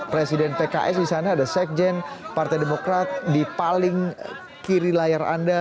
presiden pks di sana ada sekjen partai demokrat di paling kiri layar anda